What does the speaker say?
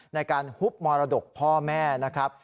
ฮุบมรดกพ่อแม่นะครับ